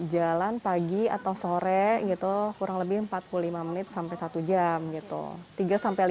jalan pagi atau sore gitu kurang lebih empat puluh lima menit sampai satu jam gitu